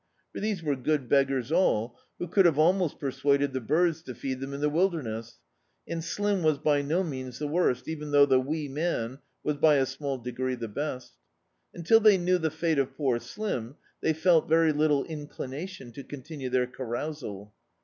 For these were good beggars all, who could have aknost per* suaded the birds to feed them in the wilderness, and Slim was by no means the worst, even thou^ the Wee Man was by a small degree the best. Until they knew the fate of poor Slim they felt very little inclination to continue their carousal.